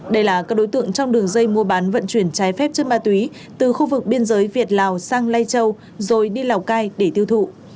đây là các đối tượng trong đường dây mua bán vận chuyển trái phép chân ma túy từ khu vực biên giới việt lào sang lai châu rồi đi lào cai để tiêu thụ